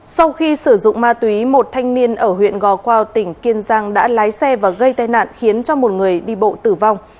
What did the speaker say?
sau khi sử dụng ma túy một thanh niên ở huyện gò quao tỉnh kiên giang đã lái xe và gây tai nạn khiến cho một người đi bộ tử vong